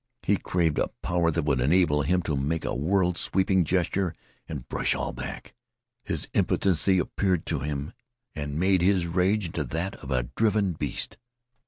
He craved a power that would enable him to make a world sweeping gesture and brush all back. His impotency appeared to him, and made his rage into that of a driven beast.